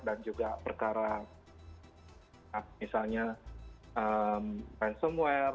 dan juga perkara ransomware